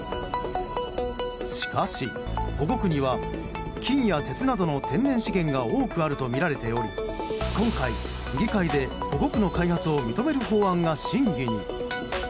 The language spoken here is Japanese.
しかし、保護区には金や鉄などの天然資源が多くあるとみられており今回、議会で保護区の開発を認める法案が審議に。